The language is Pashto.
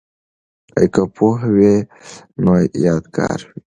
که پوهه وي نو یادګار وي.